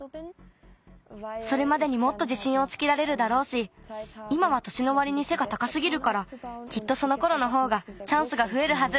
それまでにもっとじしんをつけられるだろうしいまはとしのわりにせがたかすぎるからきっとそのころのほうがチャンスがふえるはず。